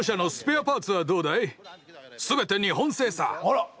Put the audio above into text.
あら！